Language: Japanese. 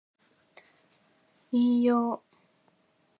引用